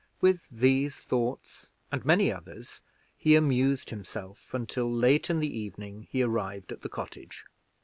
With these thoughts and many others he amused himself until, late in the evening, he arrived at the cottage.